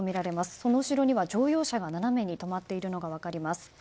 そのい後ろには乗用車が斜めに止まっているのが分かります。